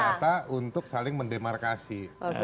ini senjata untuk saling mendemarkasi